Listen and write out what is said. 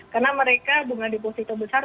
karena mereka dengan deposito besar